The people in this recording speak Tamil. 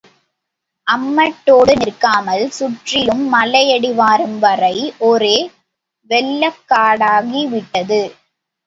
அம்மட்டோடு நிற்காமல் சுற்றிலும் மலையடிவாரம் வரை ஒரே வெள்ளக்காடாகி விட்டது!